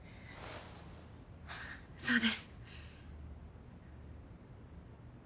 そうです。